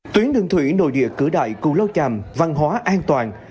tuyến đường thủy nội địa cửa đại cù lao chàm văn hóa an toàn